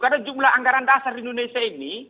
karena jumlah anggaran dasar di indonesia ini